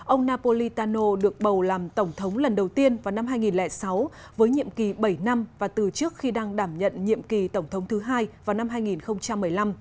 ông napoli tano được bầu làm tổng thống lần đầu tiên vào năm hai nghìn sáu với nhiệm kỳ bảy năm và từ trước khi đang đảm nhận nhiệm kỳ tổng thống thứ hai vào năm hai nghìn một mươi năm